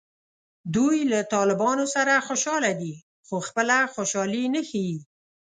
دوی له طالبانو سره خوشحاله دي خو خپله خوشحالي نه ښیي